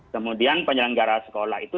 kemudian penyelenggara sekolah itu